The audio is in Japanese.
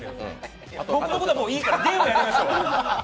僕のことはもういいからゲームやりましょう。